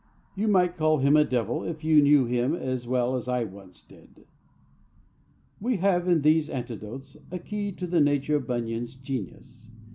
"You might call him a devil if you knew him as well as I once did." We have in these anecdotes a key to the nature of Bunyan's genius.